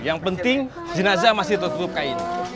yang penting jenazah masih tertutup kain